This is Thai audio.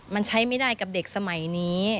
มันใช้ไม่ได้กับเด็กสมัยนี้